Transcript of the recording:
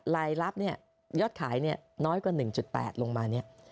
รายลับน่ะยอดขายเนี่ยน้อยกว่า๑๘ลงมานะ